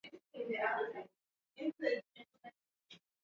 Watoto wao walijifunza maneno ya Kiarabu kutoka kwa baba zao ili wazidi kuwa Bora